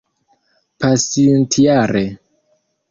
pasintjare